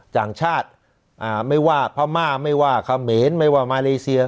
จังชาติอ่าไม่ว่าพม่าไม่ว่าคาเมนไม่ว่ามาเลเซีย